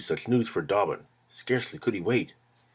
such news for Dobbin! Scarcely could he wait.